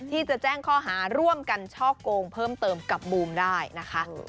ที่จะแจ้งข้อหาร่วมกันช่อกงเพิ่มเติมกับบูมได้นะคะ